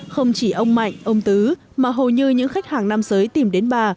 không chỉ ông mạnh ông tứ mà hầu như những khách hàng nam giới tìm đến bà